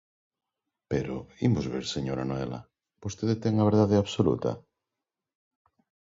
Pero, imos ver, señora Noela, ¿vostede ten a verdade absoluta?